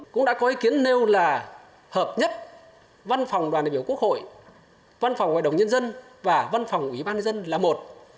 cũng đã có ý kiến nêu là hợp nhất văn phòng đoàn đại biểu quốc hội văn phòng hội đồng nhân dân và văn phòng ủy ban nhân dân là một